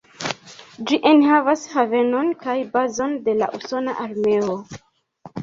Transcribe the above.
Ĝi enhavas havenon kaj bazon de la Usona armeo.